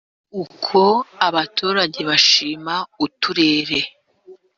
crc uko abaturage bashima uturere